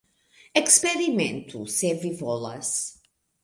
Eksperimentu, se vi volas.